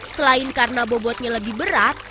selain karena bobotnya lebih berat